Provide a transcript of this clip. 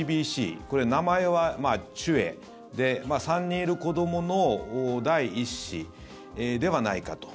これ、名前はＣｈｕ−ａｅで３人いる子どもの第１子ではないかと。